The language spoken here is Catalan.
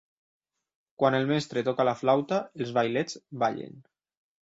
Quan el mestre toca la flauta, els vailets ballen.